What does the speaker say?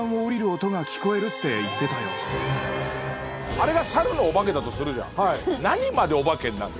あれが猿のお化けだとするじゃん。